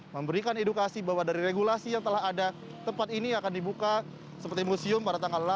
memberikan edukasi bahwa dari regulasi yang telah ada tempat ini akan dibuka seperti museum pada tanggal delapan